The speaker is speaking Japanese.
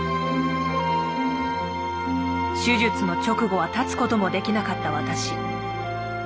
手術の直後は立つこともできなかった私。